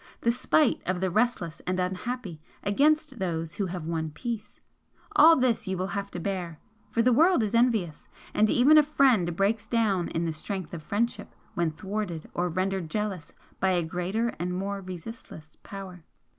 the spite of the restless and unhappy against those who have won peace! All this you will have to bear, for the world is envious and even a friend breaks down in the strength of friendship when thwarted or rendered jealous by a greater and more resistless power!"